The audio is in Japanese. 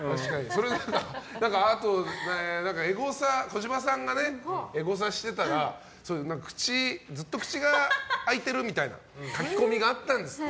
あと、児嶋さんがエゴサしてたらずっと口が開いてるみたいな書き込みがあったんですって。